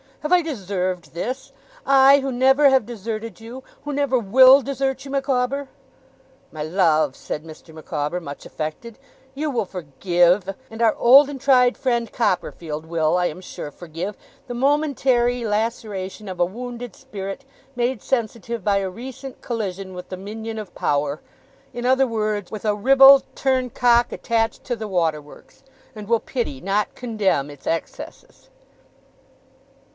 'Have I deserved this! I, who never have deserted you; who never WILL desert you, Micawber!' 'My love,' said Mr. Micawber, much affected, 'you will forgive, and our old and tried friend Copperfield will, I am sure, forgive, the momentary laceration of a wounded spirit, made sensitive by a recent collision with the Minion of Power in other words, with a ribald Turncock attached to the water works and will pity, not condemn, its excesses.